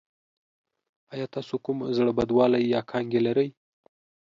ایا تاسو کوم زړه بدوالی یا کانګې لرئ؟